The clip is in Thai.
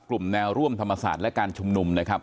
แนวร่วมธรรมศาสตร์และการชุมนุมนะครับ